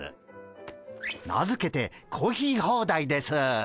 名付けてコーヒーホーダイです！